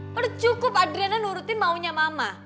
percukup adriana nurutin maunya mama